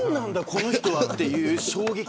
この人はという衝撃。